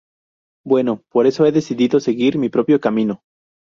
Bueno, por eso he decidido seguir mi propio camino.